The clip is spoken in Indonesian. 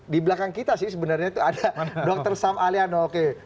di belakang kita sih sebenarnya itu ada dr sam aliano oke